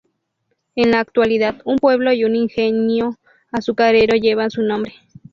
En la actualidad, un pueblo y un ingenio azucarero llevan su nombre.